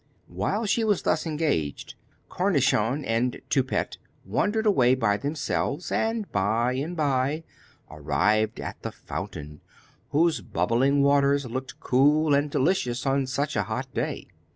While she was thus engaged, Cornichon and Toupette wandered away by themselves, and by and by arrived at the fountain, whose bubbling waters looked cool and delicious on such a hot day.